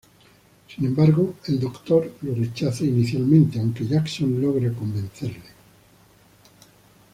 Sin embargo, el Doctor lo rechaza inicialmente, aunque Jackson logra convencerle.